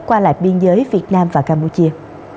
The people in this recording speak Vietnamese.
qua lại biên giới việt nam và campuchia